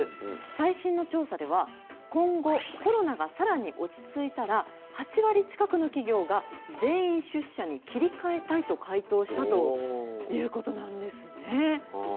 最新の調査では、今後、コロナがさらに落ち着いたら、８割近くの企業が、全員出社に切り替えたいと回答したということなんですね。